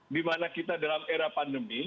dimana kita dalam era pandemi